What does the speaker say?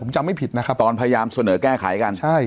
ผมจำไม่ผิดนะครับตอนพยายามเสนอแก้ไขกันใช่